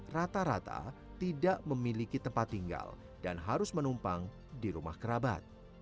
rata rata tidak memiliki tempat tinggal dan harus menumpang di rumah kerabat